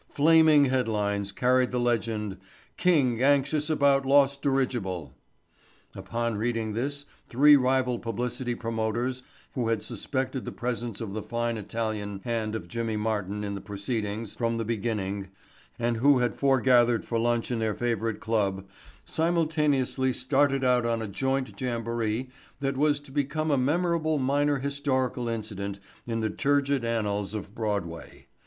Flaming head lines carried the legend "King Anxious About Lost Dirigible." Upon reading this three rival publicity promoters who had suspected the presence of the fine Italian hand of Jimmy Martin in the proceedings from the beginning and who had foregathered for lunch in their favorite club, simultaneously started out on a joint jamboree that was to become a memorable minor historical incident in the turgid annals of Broadway.